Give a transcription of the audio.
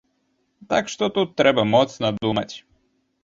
Так што тут трэба моцна думаць.